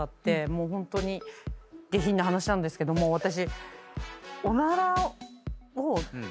もうホントに下品な話なんですけども私。